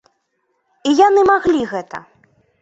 І яны маглі гэта!